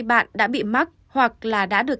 bạn đã bị mắc hoặc là đã được